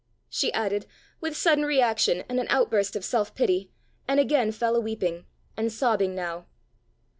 she added, with sudden reaction and an outburst of self pity, and again fell a weeping and sobbing now.